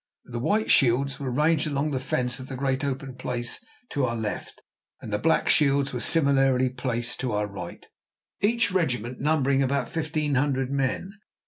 The "White Shields" were ranged along the fence of the great open place to our left, and the "Black Shields" were similarly placed to our right, each regiment numbering about fifteen hundred men.